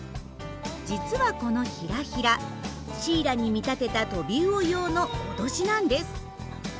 実はこのヒラヒラシイラに見立てたトビウオ用の脅しなんです。